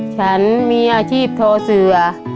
ฉันมีอาชีพโทเสือ